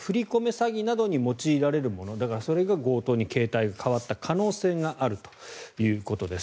詐欺などに用いられるものだから、それが強盗に形態が変わった可能性があるということです。